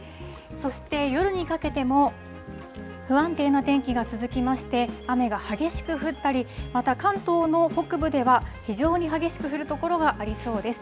そして、夜にかけても、不安定な天気が続きまして、雨が激しく降ったり、また関東の北部では、非常に激しく降る所がありそうです。